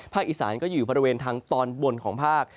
อีสานก็อยู่บริเวณทางตอนบนของภาค